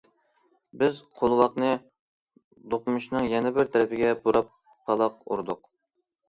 بىز قولۋاقنى دوقمۇشنىڭ يەنە بىر تەرىپىگە بۇراپ پالاق ئۇردۇق.